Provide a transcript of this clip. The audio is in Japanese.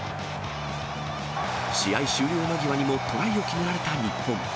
試合終了間際にもトライを決められた日本。